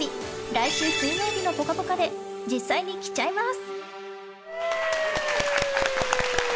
来週金曜日の「ぽかぽか」で実際に着ちゃいます！